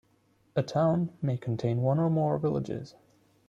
A town may contain one or more villages.